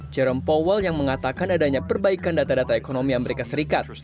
jerome powell yang mengatakan adanya perbaikan data data ekonomi amerika serikat